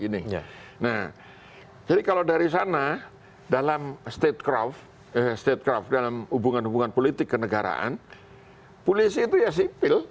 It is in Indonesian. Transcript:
nah jadi kalau dari sana dalam statecraft dalam hubungan hubungan politik kenegaraan polisi itu ya sipil